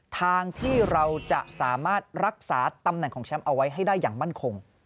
ทางที่เราจะสามารถรักษาตำแหน่งของแชมป์เอาไว้ให้ได้อย่างมั่นคง